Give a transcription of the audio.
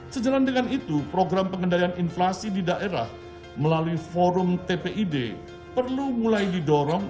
sejalan dengan itu program pengendalian inflasi di daerah melalui forum tpid perlu mulai didorong